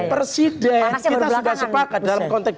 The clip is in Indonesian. presiden kita sudah sepakat dalam konteks